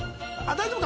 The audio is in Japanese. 大丈夫か。